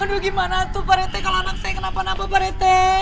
aduh gimana tuh pak rt kalau anak saya kenapa napa pak rt